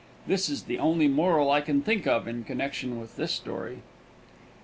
That is the only moral I can think of in connection with this story.